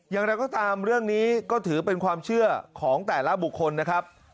อย่างไรก็ตามเรื่องนี้ก็ถือเป็นความเชื่อของแต่ละบุคคลนะครับ